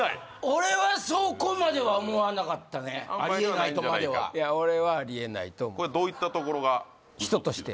俺はそこまでは思わなかったねありえないとまではいや俺はありえないと思ったこれどういったところが人として？